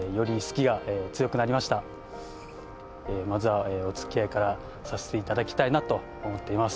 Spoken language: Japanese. まずはお付き合いからさせていただきたいなと思っています